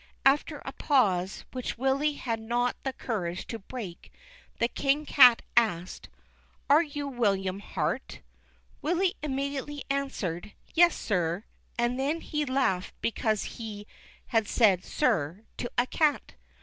After a pause, which Willy had not the courage to break, the King Cat asked, " Are you William Hart ?" Willy immedi ately answered, " Yes, sir ;" and then he laughed because he had said " sir " to a cat.